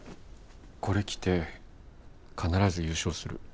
これ着て必ず優勝する。